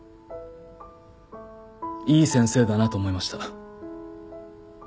いい先生だなと思いました。